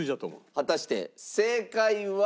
果たして正解は。